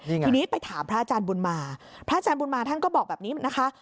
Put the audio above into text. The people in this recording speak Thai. นี่ไงทีนี้ไปถามพระอาจารย์บุญมาพระอาจารย์บุญมาท่านก็บอกแบบนี้นะคะ